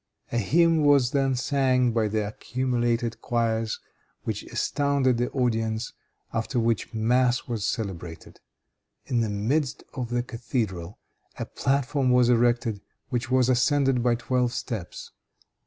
A hymn was then sang by the accumulated choirs, which astounded the audience; after which mass was celebrated. In the midst of the cathedral, a platform was erected, which was ascended by twelve steps.